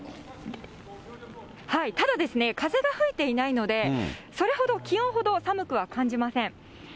ただ、風が吹いていないので、それほど、気温ほど、寒くは感じません。